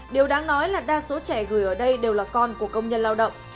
điều đáng nói là đa số trẻ gửi ở đây đều là con của công nhân lao động